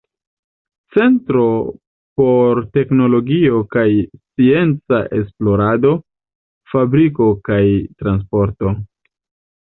Centro por teknologio kaj scienca esplorado, fabrikado kaj transporto.